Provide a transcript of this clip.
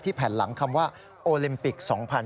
แผ่นหลังคำว่าโอลิมปิก๒๐๑๖